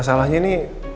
gak masalahnya nih